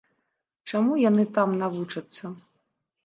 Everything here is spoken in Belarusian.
Чаму яны там навучацца?